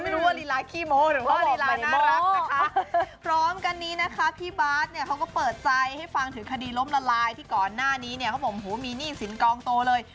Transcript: ไม่รู้ว่าลีลาขี้โม้หรือว่าลีลาน่ารักนะคะพร้อมกันนี้นะคะพี่บาทเนี่ยเขาก็เปิดใจให้ฟังถึงคดีล้มละลายที่ก่อนหน้านี้เนี่ยเขาบอกหูมีหนี้สินกองโตเลย